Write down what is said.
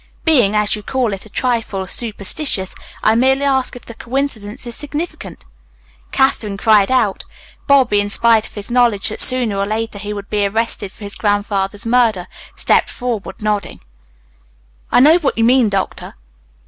Being, as you call it, a trifle superstitious, I merely ask if the coincidence is significant." Katherine cried out. Bobby, in spite of his knowledge that sooner or later he would be arrested for his grandfather's murder, stepped forward, nodding. "I know what you mean, doctor."